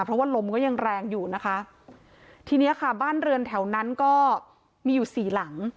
เพราะว่าลมก็ยังแรงอยู่นะคะทีเนี้ยค่ะบ้านเรือนแถวนั้นก็มีอยู่สี่หลัง